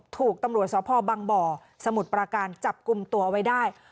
ถูกตำรวจสพบังบ่อสมุทรปราการจับกลุ่มตัวไว้ได้